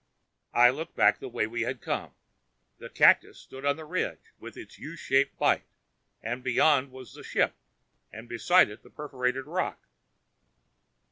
I looked back the way we had come. The cactus stood on the ridge, with its U shaped bite, and beyond was the ship, and beside it the perforated rock.